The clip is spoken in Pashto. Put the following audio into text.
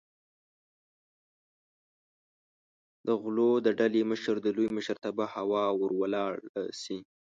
د غلو د ډلې مشر د لوی مشرتابه هوا ور ولاړه شي.